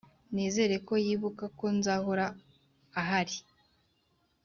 nizere ko yibuka ko nzahora ahari.